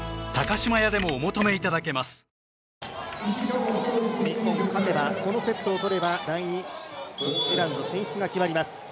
日本、勝てば、このセットを取れば第２次ラウンド進出が決まります。